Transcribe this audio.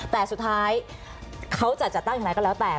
แต่สุดท้ายเขาจะจัดตั้งอย่างไรก็แล้วแต่